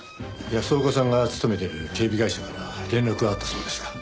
安岡さんが勤めている警備会社から連絡があったそうですが？